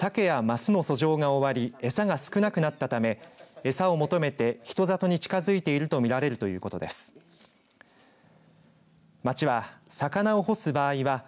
町によりますとサケやマスの溯上が終わり餌が少なくなったため餌を求めて人里に近づいているとみられるということです。